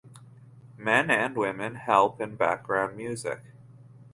Men and women help in background music.